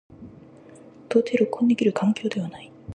到底録音できる環境ではない。